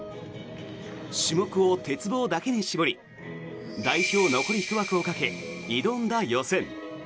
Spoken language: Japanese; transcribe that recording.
種目を鉄棒だけに絞り代表残り１枠をかけて挑んだ予選。